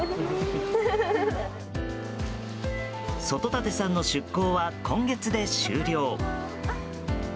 外舘さんの出向は今月で終了。